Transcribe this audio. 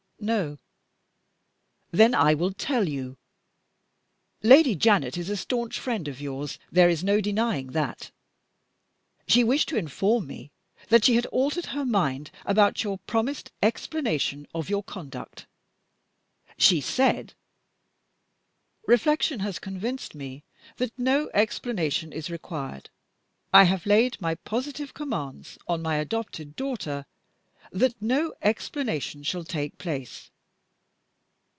"No." "Then I will tell you. Lady Janet is a stanch friend of yours, there is no denying that. She wished to inform me that she had altered her mind about your promised explanation of your conduct. She said, 'Reflection has convinced me that no explanation is required; I have laid my positive commands on my adopted daughter that no explanation shall take place.